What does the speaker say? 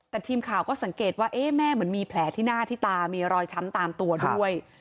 แต่ทีมข่าวก็สังเกตว่าแม่เหมือนมีแผลที่หน้าที่ตามีรอยช้ำตามตัวด้วย